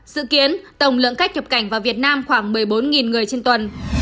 dự kiến tổng lượng khách nhập cảnh vào việt nam khoảng một mươi bốn người trên tuần